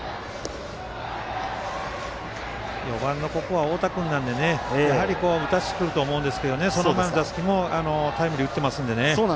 ４番、ここは太田君なんでやはり打たせてくるとは思うんですけどその前の打席もタイムリーも打っているので。